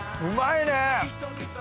うまいね！